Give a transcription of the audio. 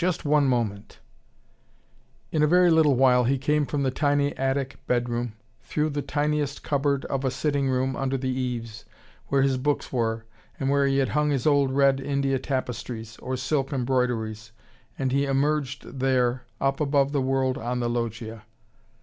Just one moment " In a very little while he came from the tiny attic bedroom, through the tiniest cupboard of a sitting room under the eaves, where his books were, and where he had hung his old red India tapestries or silk embroideries and he emerged there up above the world on the loggia.